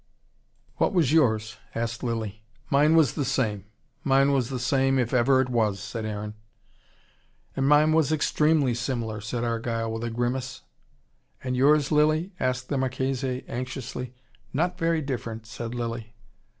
"What was yours?" asked Lilly. "Mine was the same. Mine was the same, if ever it was," said Aaron. "And mine was EXTREMELY similar," said Argyle with a grimace. "And yours, Lilly?" asked the Marchese anxiously. "Not very different," said Lilly.